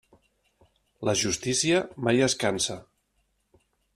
La justícia mai es cansa.